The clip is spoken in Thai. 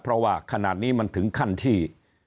เพราะว่าขนาดนี้มันถึงขั้นที่